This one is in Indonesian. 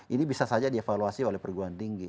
ini bisa saja dievaluasi oleh perguruan tinggi